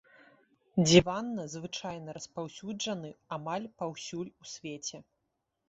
Дзіванна звычайны распаўсюджаны амаль паўсюль у свеце.